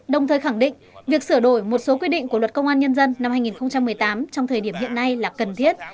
đồng thời khẳng định việc sửa đổi một số quy định của luật công an nhân dân năm hai nghìn một mươi tám trong thời điểm hiện nay là cần thiết